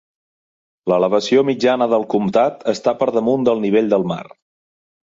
L'elevació mitjana del comtat està per damunt del nivell del mar.